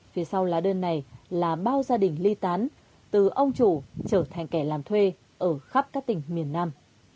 phía sau lá đơn này là bao gia đình ly tán từ ông chủ trở thành kẻ làm thuê ở khắp các tỉnh miền nam